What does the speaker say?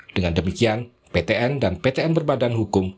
dengan demikian ptn dan ptm berbadan hukum